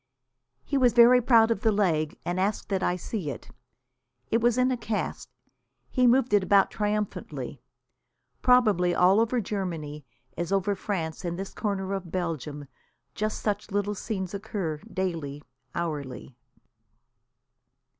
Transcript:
He was very proud of the leg, and asked that I see it. It was in a cast. He moved it about triumphantly. Probably all over Germany, as over France and this corner of Belgium, just such little scenes occur daily, hourly.